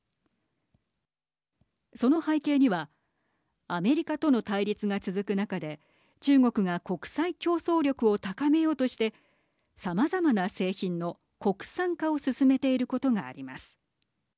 その背景にはアメリカとの対立が続く中で中国が国際競争力を高めようとしてさまざまな製品の国産化を進めていることがあります。